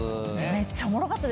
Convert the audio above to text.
めっちゃおもろかった。